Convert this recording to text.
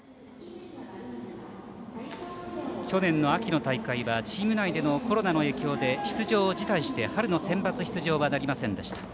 去年の秋の大会はチーム内でのコロナの影響で出場を辞退して春のセンバツ出場はなりませんでした。